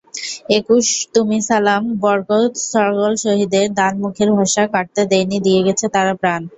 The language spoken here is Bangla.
একুশ তুমিসালাম বরকত সকল শহীদের দানমুখের ভাষা কাড়তে দেয়নি দিয়ে গেছে তাঁরা প্রাণ।